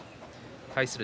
対する